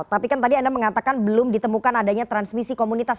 tapi kan tadi anda mengatakan belum ditemukan adanya transmisi komunitas